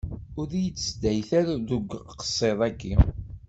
Ur yi-d-seddayet ara deg uqsiḍ-aki.